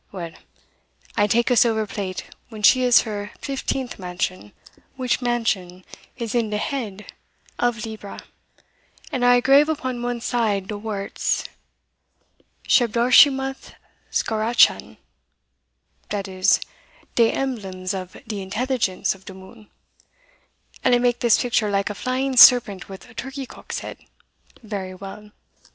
Well, I take a silver plate when she is in her fifteenth mansion, which mansion is in de head of Libra, and I engrave upon one side de worts, [Shedbarschemoth Schartachan] dat is, de Emblems of de Intelligence of de moon and I make this picture like a flying serpent with a turkey cock's head vary well.